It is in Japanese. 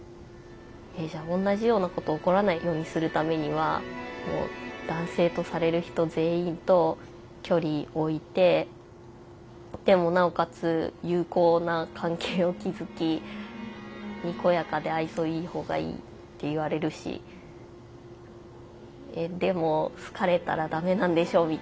じゃあ同じようなこと起こらないようにするためにはもう男性とされる人全員と距離置いてでもなおかつ友好な関係を築きにこやかで愛想いい方がいいって言われるしでも好かれたら駄目なんでしょ？みたいな。